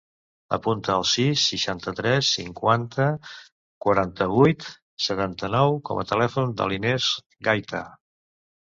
Apunta el sis, seixanta-tres, cinquanta, quaranta-vuit, setanta-nou com a telèfon de l'Inès Guaita.